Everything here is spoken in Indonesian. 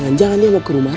aku mau pergi ke rumah